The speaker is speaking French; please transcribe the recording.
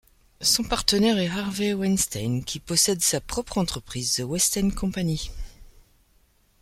Son partenaire est Harvey Weinstein, qui possède sa propre entreprise, the Weinstein Company.